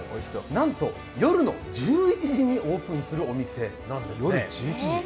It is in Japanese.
なんと夜の１１時にオープンするお店なんですね。